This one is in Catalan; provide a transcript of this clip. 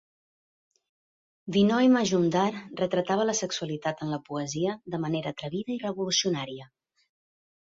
Binoy Majumdar retratava la sexualitat en la poesia de manera atrevida i revolucionària.